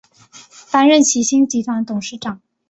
担任齐星集团的董事长。